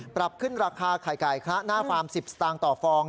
ปรับขึ้นราคาไข่ไก่คละหน้าฟาร์ม๑๐สตางค์ต่อฟอง